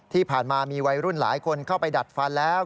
ที่ผ่านมามีวัยรุ่นหลายคนเข้าไปดัดฟันแล้ว